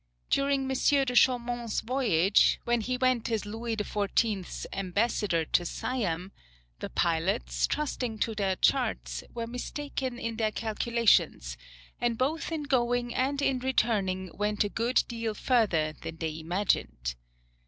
During M. de Chaumont's voyage, when he went as Louis XIV.'s ambassador to Siam, the pilots, trusting to their charts, were mistaken in their calculations, and both in going and in returning went a good deal further than they imagined.